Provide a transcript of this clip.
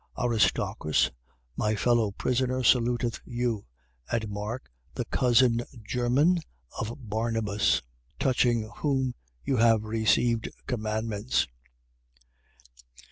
4:10. Aristarchus, my fellow prisoner, saluteth you: and Mark, the cousin german of Barnabas, touching whom you have received commandments.